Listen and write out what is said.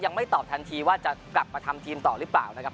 ยังไม่ตอบทันทีว่าจะกลับมาทำทีมต่อหรือเปล่านะครับ